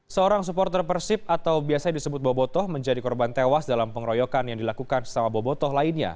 seorang supporter persib atau biasa disebut bobotoh menjadi korban tewas dalam pengeroyokan yang dilakukan sesama bobotoh lainnya